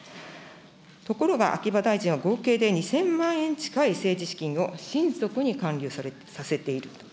ところが、秋葉大臣は合計で２０００万円近い政治資金を親族に還流させている。